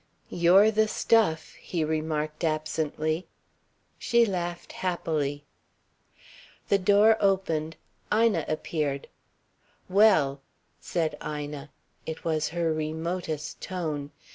"You're the stuff," he remarked absently. She laughed happily. The door opened. Ina appeared. "Well!" said Ina. It was her remotest tone.